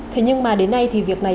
thế nhưng mà đến nay thì việc này